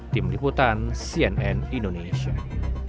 tim liputan cnn indonesia